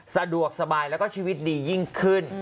สะดวกสบายแล้วก็ชีวิตดียิ่งขึ้น